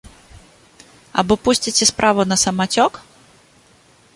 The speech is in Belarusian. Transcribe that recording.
Або пусціце справу на самацёк?